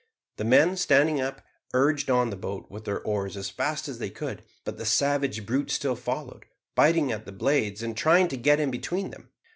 The men, standing up, urged on the boat with their oars as fast as they could; but the savage brute still followed, biting at the blades and trying to get in between them.